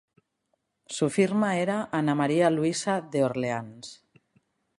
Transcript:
Su firma era Ana María Luisa de Orleans.